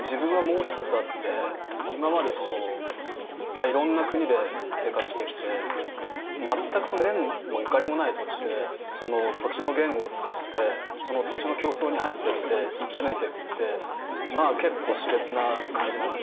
今までいろんな国で生活してきて全く縁もゆかりもない土地でその土地の言語を使ってその土地の競争に入っていって生き抜いてくってまあ結構し烈な感じなんですよ。